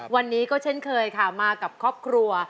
วันนี้ก็เช่นเคยค่ะมากับครอบครัว